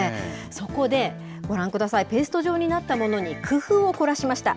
そこで、ご覧ください、ペースト状になったものに工夫を凝らしました。